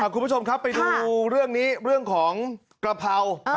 คุณผู้ชมครับไปดูเรื่องนี้เรื่องของกระเพรา